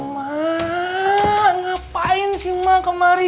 ma ngapain sih ma kemari